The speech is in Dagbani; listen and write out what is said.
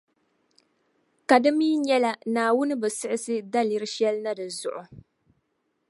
Ka di mi nyɛla Naawuni bi siɣisi daliri shεli na di zuɣu.